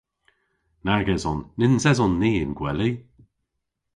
Nag eson. Nyns eson ni y'n gweli.